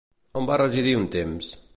On va residir un temps?